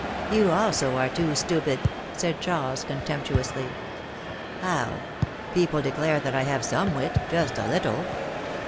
You, also, are too stupid !" said Charles, contempt uously. ^^How? People declare that I have some wit — just a little.